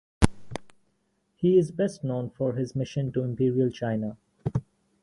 He is best known for his mission to Imperial China.